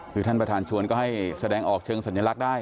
คือท่านประธานชวนก็ให้แสดงออกเชิงสัญลักษณ์ได้